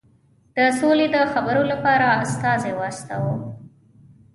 د سولي د خبرو لپاره استازی واستاوه.